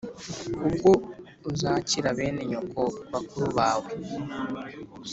Ubwo uzakira bene nyoko bakuru bawe